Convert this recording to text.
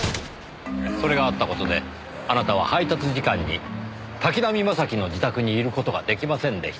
それがあった事であなたは配達時間に滝浪正輝の自宅にいる事が出来ませんでした。